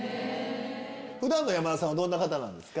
普段の山田さんはどんな方なんですか？